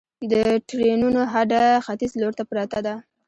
د ټرېنونو هډه ختیځ لور ته پرته ده